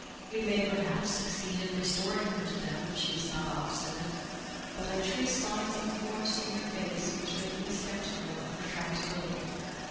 We may, perhaps, succeed in restoring her to them, if she is not obstinate: but I trace lines of force in her face which make me sceptical of her tractability."